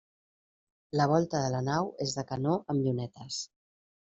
La volta de la nau és de canó amb llunetes.